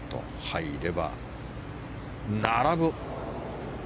入れば並ぶ。